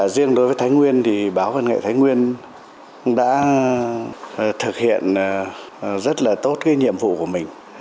riêng đối với thái nguyên thì báo văn nghệ thái nguyên cũng đã thực hiện rất là tốt cái nhiệm vụ của mình